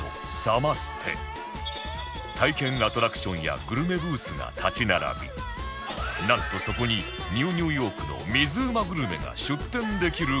体験アトラクションやグルメブースが立ち並びなんとそこに『ＮＥＷ ニューヨーク』の水うまグルメが出店できる事に